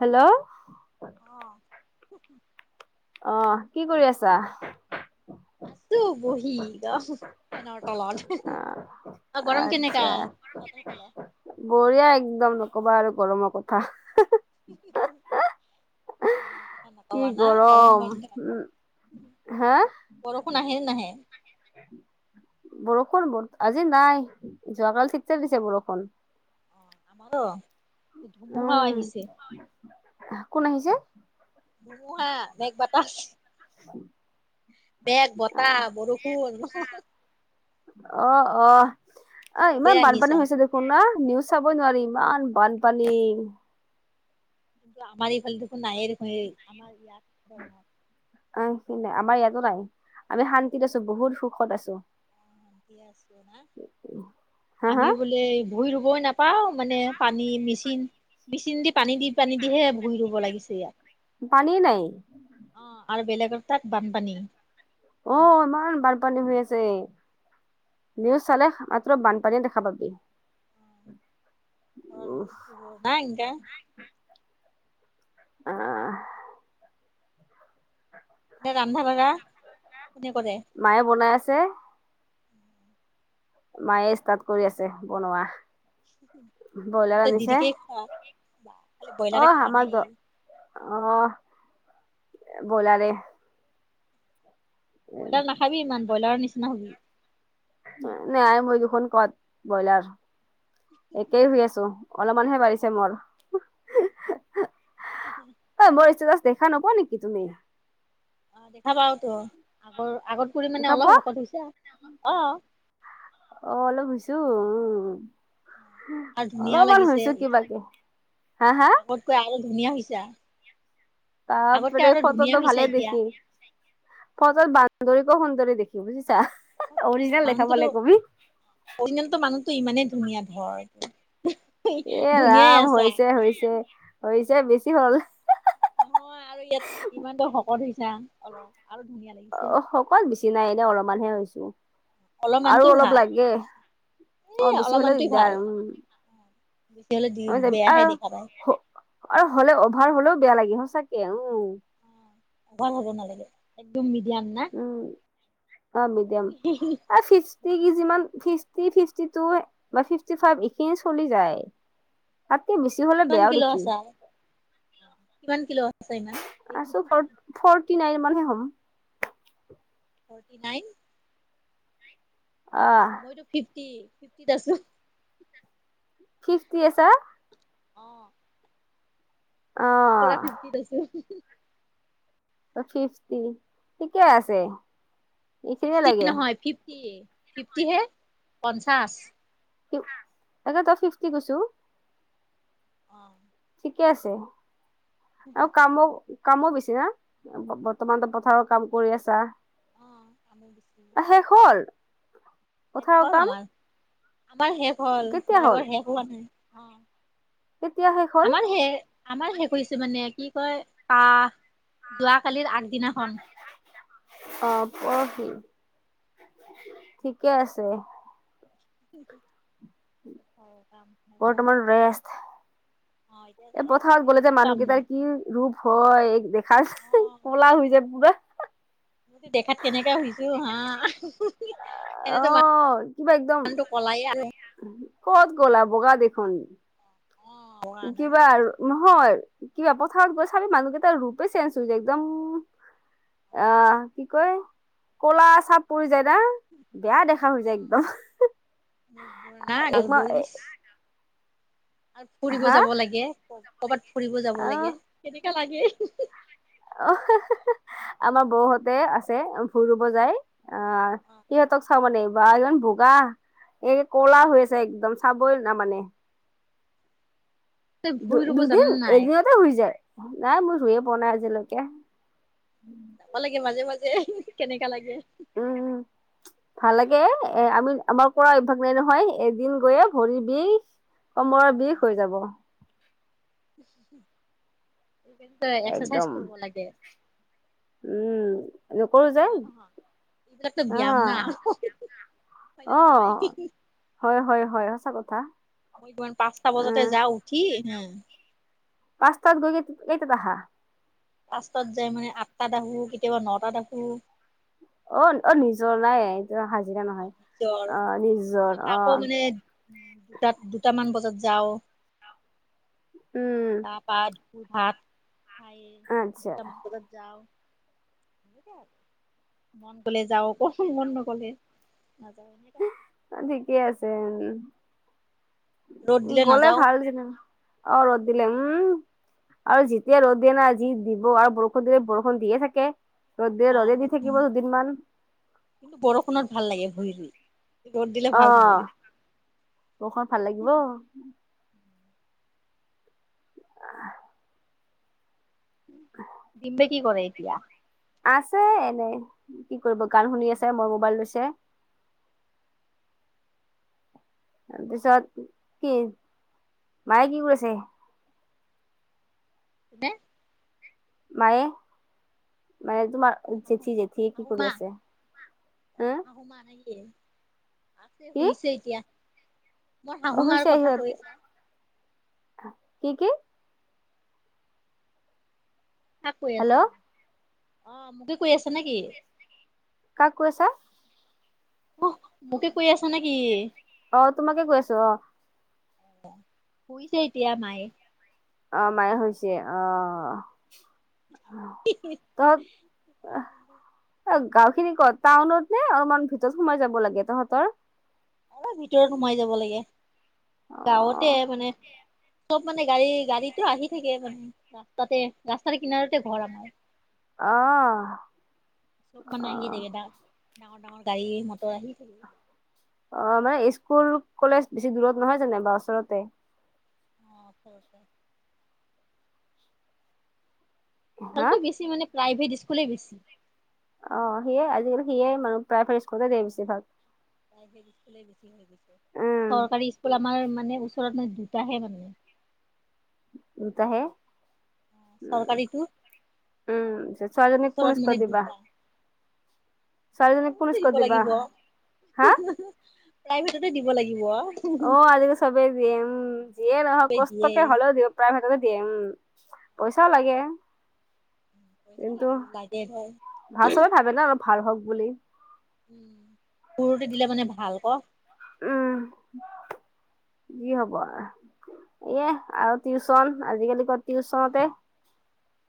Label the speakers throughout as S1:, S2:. S1: Hello
S2: অ
S1: অ কি কৰি আছা?
S2: আছো বহি। গা ফেনৰ তলত
S1: অ
S2: হেহে। অ গৰম কেনেকা
S1: আচ্ছা
S2: তহতৰ ফালে?
S1: বঢ়িয়া একদম নকবা আৰু গৰমৰ কথা।
S2: হুম হুম হুম, গম
S1: কি
S2: পোৱা নাই গৰম বন্ধ।
S1: উম হা
S2: বৰষুণ আহে নাহে?
S1: বৰষুণ বৰ আজি নাই। যোৱাকালি ঠিকচে যে দিছে বৰষুণ।
S2: অ আমাৰ অ ধুমুহাও
S1: উম
S2: আহিছে।
S1: কোন আহিছে?
S2: ধুমোহা নে বাতাহ। বেদ বতাহ বৰষুণ।
S1: অ অ আ
S2: চবেই
S1: ইমান বানপানী
S2: আহিছে।
S1: হৈছে দেখোন না। নিউজ চাবই নোৱাৰি ইমান- বানপানী।
S2: কিন্তু আমাৰ এইফালে দেখোন নাহে দেখোন আমাৰ ইয়াত ধৰঙৰ-
S1: আহ সাই আমাৰ ইয়াতো নাই আমি শান্তিত আছো বহুত সুখত আছো।
S2: দি আছো না
S1: হা হা
S2: আমিওঁ বোলে ভুই ৰুবই নাপাওঁ মানে পানী মেচিন মেচিন দি পানী দি পানী দিহে ভূই ৰুব লাগিছে ইয়াত।
S1: পানী নাই
S2: অ', আৰু বেলেগৰ তাত বানপানী।
S1: অ', ইমান বানপানী হৈ আছে। নিউজ চালে মাত্ৰ বানপানীয়ে দেখা পাবি।
S2: ঘৰৰ
S1: উফ
S2: বস্তুবোৰ না এনকা
S1: আহ!
S2: এতিয়া ৰান্ধা বাঢ়া কোনে কৰে?
S1: মায়ে বনাই আছে। মায়ে ষ্টাৰ্ট কৰি আছে বনোৱা। ব্ৰইলাৰ
S2: এ
S1: আনিছে
S2: দিদিকেই খোৱা বা খালি
S1: অ
S2: ব্ৰইলাৰে খোৱা
S1: আমাৰ
S2: নে
S1: দ
S2: কি?
S1: অ', ব'ইলাৰে।
S2: ব্ৰ'ইলাৰ নাখাবি ইমান ব্ৰইলাৰৰ নিচিনা হবি।
S1: নাই মই দেখোন ক'ত ব্ৰইলাৰ একেই হৈ আছো। অলপমান হে বাঢ়িছে মোৰ।
S2: [inaudible]
S1: অই মোৰ ষ্টেটাছ দেখা নোপোৱা নেকি তুমি?
S2: অ', দেখা পাওঁতো আগৰ আগত কৰি মানে
S1: দেখা পোৱা
S2: অলপ শকত হৈছা অ'।
S1: অ', অলপ হৈছো উম।
S2: আৰু ধুনীয়াও
S1: অলপমান
S2: লাগিছে
S1: হৈছো কিবাকে হা হা?
S2: কৈ আৰু ধুনীয়া হৈছা। আগতকে
S1: বাপৰে
S2: আৰু ধুনীয়া
S1: ফটোটো
S2: হৈছা
S1: ভালে
S2: এতিয়া
S1: দেখি। ফটোত বান্দৰীকো সুন্দৰী দেখি বুজিছা অৰিজিনেল দেখা পালে কবি।
S2: অৰিজিলটো মানুহটো ইমানেই ধুনীয়া ধৰ।
S1: ইয়ে
S2: ধুনীয়াই
S1: ৰাম
S2: আছা
S1: হৈছে হৈছে হৈছে বেছি হ'ল।
S2: নহয় আৰু ইয়াত ইমানযে শকত হৈছা অলপ আৰু ধুনীয়া লাগিছে।
S1: ক'ত বেছি নাই এনেয়ে অলপমান হে হৈছো। আৰু
S2: অলপমানতো
S1: অলপ
S2: ভাল
S1: লাগে
S2: এ
S1: অ' বেছি হ'লে
S2: অলপমানটোৱে ভাল
S1: দিগদাৰ আৰু উম।
S2: বেছি হ'লে দি
S1: আমি যাবি
S2: বেয়াহে
S1: আৰু
S2: দেখা পায়।
S1: হ- আৰু হ'লে অভাৰ হ'লেও বেয়া লাগে সচাকে অ'।
S2: অভাৰ হ'ব নালাগে একদম মিডিয়াম না।
S1: উম এ ফিফ টি কেজি মান ফিফটি ফিফটি টু বা ফিফটি ফাইভ এইখিনি চলি যায়। তাতকে বেছি হ
S2: কিমান কিলো আছা কিমান কিলো আছা ইমান?
S1: আছো ফৰ ফ্ৰটি নাইন মানহে হ'ম।
S2: Forty nine?
S1: আহ
S2: মইতো ফিফটি ফিফটিত আছো।
S1: ফিফটি আছা?
S2: অ'।
S1: অ'।
S2: পুৰা ফিফটিত আছো।
S1: ফিফটি থিকে আছে। এইখিনিয়ে
S2: ছিক্সটি
S1: লাগে
S2: নহয় ফিফটি ফিফটিহে পঞ্চাছ।
S1: তাকেটো ফিফটি কৈছো।
S2: অ'।
S1: ঠিকে আছে আৰু কামো কামো বেছি না বৰ্তমানতো পথাৰৰ কাম কৰি আছা।
S2: অ', কামো বেছি।
S1: শেষ হ'ল?
S2: শেষ
S1: পথাৰৰ
S2: হ'ল
S1: কাম
S2: আমাৰ, আমাৰ শেষ হ'ল
S1: কেতিয়া হ'ল
S2: বেলেগৰ শেষ হোৱা নাই। অ
S1: কেতিয়া শেষ হ'ল
S2: আমাৰ হে আমাৰ শেষ হৈছে মানে কি কয় কা যোৱা কালিৰ আগদিনা।
S1: অ', পৰহি, ঠিকে আছে। বৰ্তমান
S2: [unintelligible]
S1: ৰেষ্ট
S2: অ
S1: এই
S2: এতিয়া
S1: পথাৰত গ'লে যে
S2: একো কাম নাই
S1: মানুহকেইটাৰ কি ৰূপ হয়।
S2: অ
S1: হাত কলা হৈ যায় পুৰা।
S2: দেখাত কেনেকা হৈছো হা, ই হি হি এনেতো মা
S1: অ', কিবা একদম
S2: এনেটো ক'লাই আৰু।
S1: ক'ত ক'লা বগা দেখোন।
S2: অ হোৱা নাই
S1: কিবা আৰু নহয় কিবা পথাৰত গৈ চাবি মানুহকেইটাৰ ৰূপে চেঞ্জ হৈ যায় একদম। অ', কি কয় কলা চাপ পৰি যায় না! বেয়া দেখা হৈ
S2: অ
S1: যায় একদম, হি
S2: মুখবোৰ না
S1: হি এক ম
S2: গালবোৰ
S1: এ
S2: ইচ আৰু ফুৰিব
S1: হা
S2: যাব লাগে ক'ৰবাত ফুৰিব যাব
S1: আহ
S2: লাগে কেনেকা লাগে।
S1: অ', আমাৰ বৌহতে আছে, ভুই ৰুব যায়। আহ, সিহঁতক চাও মানে। বা ইমান বগা এই ক'লা হৈ আছে একদম চাবই না মানে।
S2: তই ভূই ৰুব জানা
S1: দু-দুদিন
S2: নাই
S1: এদিনতে শুই যায় নাই মোৰ ৰুইে পোৱা নাই আজিলৈকে।
S2: পাব লাগে মাজে মাজে কেনেকা লাগে।
S1: উম, উম। ভাল লাগে এ আমি আমাৰ কৰা অভ্যাস নাই নহয়, এদিন গৈয়ে ভৰি বিষ। কমৰৰ বিষ হৈ যাব।
S2: [unintelligible] এক্সাৰচাইজ
S1: একদম
S2: কৰিব লাগে।
S1: উম। নকৰো যে
S2: হয় নে নহয়! এইবিলাকো ব্যায়াম না
S1: আহ
S2: হয় নে নহয়?
S1: অ হয়, হয়, হয়, সঁচা কথা।
S2: মই কিমান পাঁচটা বজাতে
S1: আহ
S2: যাওঁ উঠি।
S1: পাঁচ তাত গৈ কেইটাত আহা?
S2: পাচ তাত যাই মানে আঠ তাত আহো কেতিয়াবা নটাত আহো।
S1: অ', অ', নিজৰ নাই এইটো হাজিৰা নহয়
S2: নিজৰ
S1: অ', নিজৰ অ'।
S2: তাত দুটামান বজাত যাও।
S1: উম।
S2: তাৰপা [unintelligible] ভাত খায়ে
S1: আচ্ছা
S2: দুটামান বজাত যাওঁ। সেনেকে মন গ'লে যাও অক মন নগ'লে নাযাও [unintelligible]
S1: ঠিকেই আছে
S2: ৰ'দ দিলে
S1: গ'লে
S2: নাযাওঁ
S1: ভাল যেনিবা। অ', ৰ'দ দিলে উম। আৰু যেতিয়া ৰ'দ দিয়ে না যি দিব আৰু বৰষুণ দিলে বৰষুণ দিয়ে থাকে। ৰ'দ দিলে
S2: অ',
S1: ৰ'দে দি
S2: বৰষুণ,
S1: থাকিব দুদিনমান
S2: কিন্তু বৰষুণত ভাল লাগে ভুই ৰুই। ৰ'দ দিলে ভাল নালাগে
S1: অ', বৰষুণত ভাল লাগিব। [unintelligible]
S2: ডিম্বে কি কৰে এতিয়া?
S1: আছে এনে কি কৰিব গান শুনি আছে মোৰ মোবাইল লৈছে। তাৰপিছত কি, মায়ে কি কৰি আছে?
S2: দে।
S1: মায়ে, মায়ে তোমাৰ
S2: শাহু
S1: জেঠী জেঠীয়ে কি
S2: শাহু
S1: কৰি
S2: মা
S1: আছে? হা?
S2: [unintelligible] নে নেকি? আছে
S1: কি
S2: শুইছে এতিয়া, মোৰ
S1: অ
S2: শাহু মাৰ
S1: শুইছে
S2: কথা
S1: সিহঁত
S2: কৈছা।
S1: কি? কি?
S2: কাক কৈ
S1: হেল্ল'
S2: আছা? অ', মোকে কৈ আছা নে কি?
S1: কাক কৈ আছা?
S2: [unintelligible] মোকে কৈ আছা নে কি?
S1: অ', তোমাকে কৈ আছো অ'।
S2: শুইছে এতিয়া মায়ে।
S1: অ', মায়ে শুইছে অ'।
S2: [unintelligible]
S1: তত আহ। অ', গাওঁখিনি ক'ত টাউনত নে? অলমান ভিতৰত সোমাই যাব লাগে তহঁতৰ?
S2: অলপ ভিতৰত সোমাই যাব লাগে
S1: অ
S2: গাঁৱতে মানে চব মানে গাড়ী গাড়ীটো আহি থাকে মানে ৰাস্তাতে ৰাস্তাৰ কিনাৰতে ঘৰ আমাৰ।
S1: আহ
S2: চব মানে
S1: অ
S2: আহিয়ে থাকে [unintelligible] ডাঙৰ ডাঙৰ গাড়ী মটৰ আহি থাকে।
S1: অ', মানে ইস্কুল কলেজ বেছি দূৰত নহয় জানো বা ওচৰতে।
S2: অ', অ', ওচৰতে।
S1: হা
S2: ভালটো বেছি মান প্ৰাইভেট ইস্কুলে বেছি।
S1: অ', সিয়ে আজিকালি সিয়ে মানে প্ৰাইভেট স্কুলে দিয়ে বেছি ভাগ।
S2: প্ৰাইভেট ইস্কুল বেছি হৈ গৈছে,
S1: উম
S2: চৰকাৰী স্কুল আমাৰ মানে ওচৰত মান দুটাহে মানে।
S1: দুটাহে
S2: প্ৰাইভেট অ'
S1: উম
S2: চৰকাৰীটো
S1: উম
S2: আমাৰ
S1: ছোৱালীজনীক কোন
S2: ওচৰত
S1: স্কুলত
S2: মানে
S1: দিবা
S2: দুটা।
S1: ছোৱালীজনীক কোন
S2: প্ৰাইভেটতে
S1: স্কুলত
S2: দিব
S1: দিবা?
S2: লাগিব
S1: হা?
S2: প্ৰাইভেতটে দিব লাগিব।
S1: অ', আজিকাল চবে দিয়ে উম, যিয়ে নহক
S2: চবেই
S1: কষ্টকে
S2: দিয়েই
S1: হলও দিয় প্ৰাইভেটতে দিয়ে উম, পইচা লাগে।
S2: পইচা
S1: কিন্তু
S2: লাগে, লাগে ধৰ
S1: ভাল চবে ভাবে ন অলপ ভাল হ'ক বুলি।
S2: সুৰতে দিলে মানে ভাল কৰক।
S1: উম, যি হব আৰু। এয়া আৰু টিউচন আজিকালি [unintelligible] টিউচনতে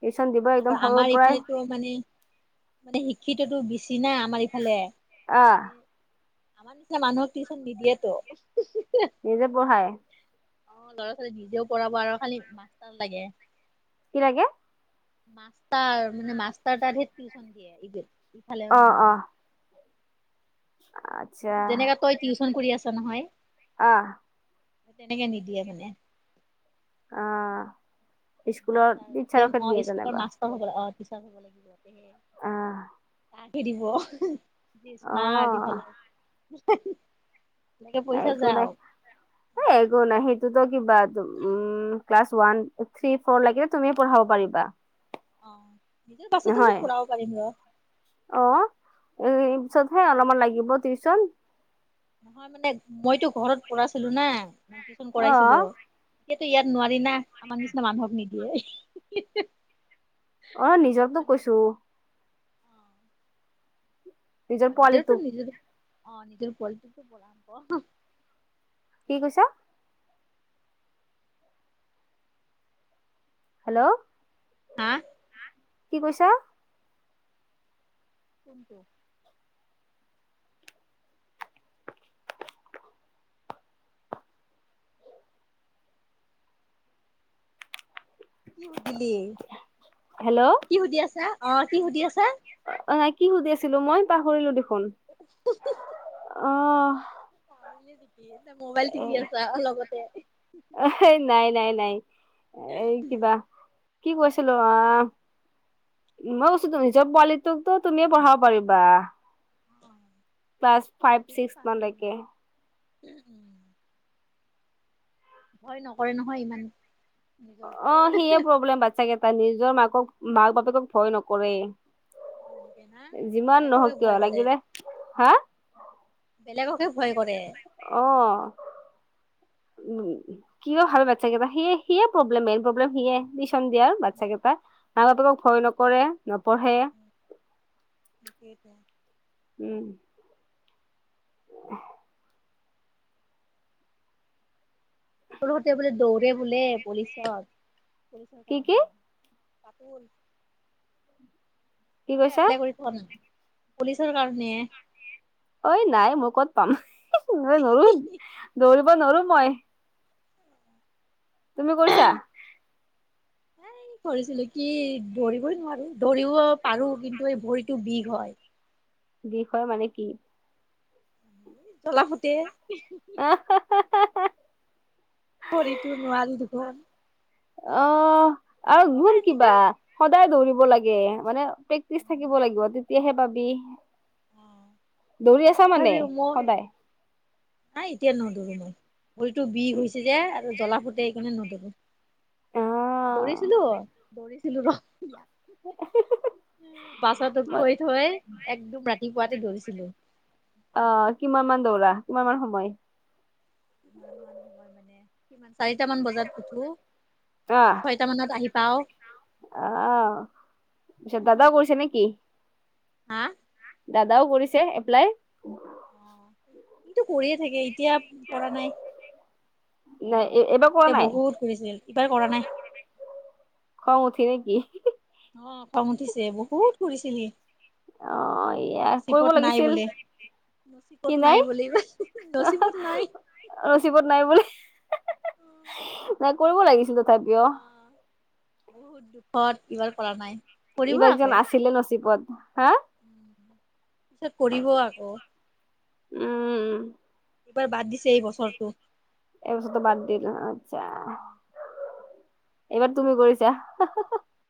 S1: টিউচন দিব একদম
S2: আৰু
S1: সৰুৰ
S2: আমাৰ
S1: পৰাই
S2: ইফালেটো মানে, মানে শিক্ষিততো বেছি নাই আমাৰ এইফালে।
S1: আহ
S2: মানে আমাৰ নিচিনা মানুহক টিউচন নিদিয়েতো [unintelligible]
S1: নিজে পঢ়ায়।
S2: অ', ল'ৰা ছোৱালী নিজেও পঢ়াব আৰু খালি মাষ্টাৰ লাগে।
S1: কি লাগে?
S2: মাষ্টাৰ মানে, মাষ্টাৰ তাত হে টিউশচন দিয়ে ইফালে
S1: অ
S2: মানুহ
S1: অ'। আচ্ছা
S2: যেনেকা তই টিউচন কৰি আছা নহয়।
S1: অ'।
S2: তেনেকে নিদিয়ে মানে
S1: অ', স্কুলৰ
S2: মাষ্টাৰ জি এম
S1: টিচাৰকে
S2: অ
S1: দিয়ে
S2: স্কুলৰ
S1: যেনিবা।
S2: মাষ্টাৰ হ'ব অ', টিচাৰ হ'ব লাগিব
S1: আহ
S2: তাকহে দিব। কি
S1: অ
S2: ইছমাৰ্ত ইফালে এনেকে পইচা
S1: একো
S2: যাও
S1: নাই, একো নাই সেইটোতো কিবা উম। ক্লাছ ওৱান থ ফৰ লৈকে তুমি পঢ়াব পাৰিবা।
S2: অ', নিজৰ পাছতো
S1: নহয়
S2: ফুৰাব পাৰিব অ'।
S1: অ', এই পিছতহে অলপমান লাগিব টিউচন
S2: নহয় মানে মইতো ঘৰত পঢ়ছিলো না মই টিউচন
S1: অ
S2: কৰাইছিলো। সেইটো ইয়াত নোৱাৰি না, আমাৰ নিচিনা মানুহক নিদিয়ে।
S1: অ', নিজৰটো
S2: মানে
S1: কৈছোঁ। নিজৰ
S2: অ', নিজৰটো,
S1: পোৱালিটোক
S2: নিজৰ অ', নিজৰ পোৱালিটিটোক পঢ়াব।
S1: কি কৈছা? হেল্ল'।
S2: হা'
S1: কি কৈছা?
S2: কোনটো? কি সুধিলি
S1: হেল্ল'
S2: কি সুধি আছা অ', কি সুধি আছা।
S1: অ', কি সুধি আছিলোঁ মই পাহৰিলোঁ দেখোন আহ'।
S2: পাহৰিলি নিকি তই মোবাইল টিপি আছা লগতে
S1: এ নাই, নাই নাই এই কিবা কি কৈছিলো অ'। মই কৈছোটো নিজৰ পোৱালিটোকো তুমিয়ে পঢ়াব পাৰিবা।
S2: অ
S1: ক্লাছ ফাইভ ছিক্স মানলৈকে
S2: উম, উম। ভয় নকৰে নহয় ইমান। নিজৰটোক
S1: অ', সেইয়ে প্ৰব্লেম বাচ্ছা কেইটা নিজৰ মাকক মাক বাপেকক ভয় নকৰে।
S2: ইমানকে না
S1: যিমান
S2: বেলেগকে
S1: নহওঁক
S2: ভয়
S1: কিয়
S2: কৰে
S1: লাগিলে হা
S2: বেলেগকে ভয় কৰে।
S1: অ'। উম, কিবা ভাবে বাচ্ছাকেইটাই সিয়ে, সিয়ে প্ৰব্লেম মেইন প্ৰব্লেম সিয়ে। টিউছন দিয়া
S2: উম
S1: বাচ্ছাকেইটা মাক বাপেকক ভয় নকৰে। নপঢ়ে
S2: উম সেইটোৱে
S1: উম। উহ।
S2: পঢ়োতে বোলে দৌৰে বোলে ভৰি খন।
S1: কি কি
S2: [unintelligible]
S1: কি
S2: মই
S1: কৈছা
S2: এপ্লাই কৰি থোৱা মানে পুলিচৰ কাৰণে।
S1: ঐ নাই মই ক'ত পাম মই নৰো দৌৰিব নোৱাৰো মই। তুমি কৰিছা।
S2: এ কৰিছিলোঁ কি ধৰিবই নোৱাৰো ধৰিব পাৰো কিন্তু এই ভৰি টো বিষ হয়।
S1: বিষ হয় মানে কি?
S2: জলা ফুতে।
S1: [unintelligible]
S2: ভৰিটো নোৱাৰো দুখন।
S1: অহ আৰু
S2: ৰবা
S1: গুম কিবা
S2: এনেকা
S1: সদায় দৌৰিব লাগে, মানে প্ৰেক্টিচ থাকিব লাগিব তেতিয়াহে পাবি। দৌৰি আছা মানে
S2: তথাপিও মই
S1: সদায়?
S2: নাই এতিয়া নদৈৰো মই ভৰিটো বিষ হৈছে যে আৰু জ্বলা ফুটে সেইকাৰণে নদৌৰো।
S1: অ'।
S2: দৰিছিলো দৰিছিলো ৰ। [unintelligible] বাচ্ছাতোক থৈ থৈ একদম ৰাতিপুৱাতে দৌৰিছিলো।
S1: আ কিমান মান দৌৰা, কিমান মান সময়?
S2: [unintelligible] চাৰিটা মান বজাত উঠো।
S1: আহ
S2: [unintelligible] তা মানত আহি পাও।
S1: আহ পিছত দাদাও কৈছে নেকি?
S2: হা?
S1: দাদাও কৰিছে এপ্লাই?
S2: সিতো কৰিয়ে থাকে, এতিয়া কৰা নাই।
S1: নাই এ এবাৰ কৰা
S2: আগতে
S1: নাই?
S2: বহুত কৰিছিল এইবাৰ কৰা নাই
S1: খং উঠী নেকি?
S2: অ খং উঠিছে বহুত কৰিছিলি।
S1: অ' এয়া কৰিব
S2: নচিবত নাই
S1: লাগিছিল
S2: বোলে। নচিবত নাই বুলি নচিপত নাই।
S1: নচিবত নাই বুলি নাই কৰিব লাগিছিল তথাপিও।
S2: বহুত দুখত এইবাৰ কৰা নাই। কৰিব
S1: ইবাৰ কিজান
S2: আকৌ
S1: আছিলে নচিবত হা।
S2: পিছত কৰিব আকৌ।
S1: উম।
S2: এইবাৰ বাদ দিছে এই বছৰটো।
S1: এই বছৰতো বাদ দি অ আচ্ছা। এইবাৰ তুমি কৰিছা?